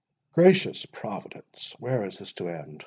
Gracious Providence, where is this to end!